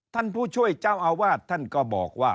ท่านผู้ช่วยเจ้าอาวาสท่านก็บอกว่า